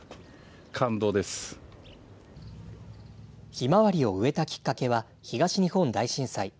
ひまわりを植えたきっかけは東日本大震災。